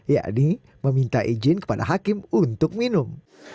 yakni meminta izin kepada hakim untuk minum